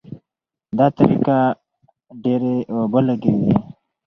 دا طریقه ډېرې اوبه لګوي.